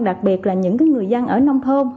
đặc biệt là những người dân ở nông thôn